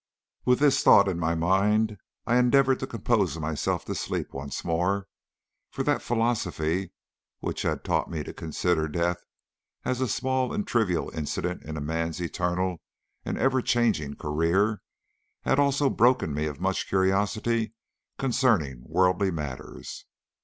With this thought in my mind I endeavoured to compose myself to sleep once more, for that philosophy which had taught me to consider death as a small and trivial incident in man's eternal and everchanging career, had also broken me of much curiosity concerning worldly matters.